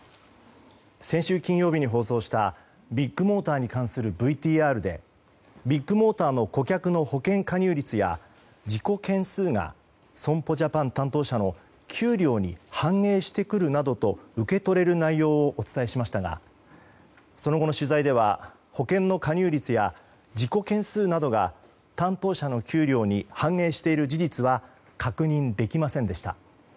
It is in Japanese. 先週金曜日に放送したビッグモーターに関するＶＴＲでビッグモーターの顧客の保険加入率や事故件数が損保ジャパン担当者の給料に反映してくるなどと受け取れる内容をお伝えしましたがその後の取材では保険の加入率や事故件数などが担当者の給料に反映している事実は確認できませんでした。